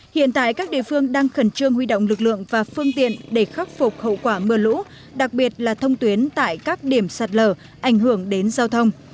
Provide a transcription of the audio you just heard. hiện tại các địa phương đang khẩn trương huy động lực lượng và phương tiện để khắc phục hậu quả mưa lũ đặc biệt là thông tuyến tại các điểm sạt lở ảnh hưởng đến giao thông